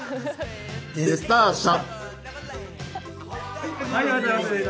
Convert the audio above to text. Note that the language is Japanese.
デスターシャ。